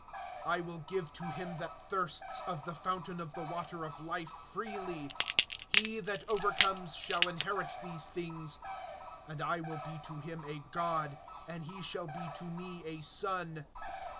I will give to him that thirsts, of the fountain of the water of life freely. (7)He that overcomes shall inherit these things; and I will be to him a God, and he shall be to me a son.